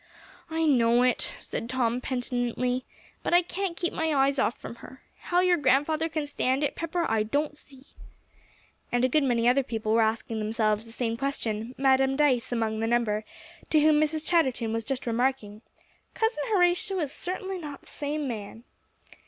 "I know it," said Tom penitently, "but I can't keep my eyes off from her. How your grandfather can stand it, Pepper, I don't see." And a good many other people were asking themselves the same question, Madam Dyce among the number, to whom Mrs. Chatterton was just remarking, "Cousin Horatio is certainly not the same man."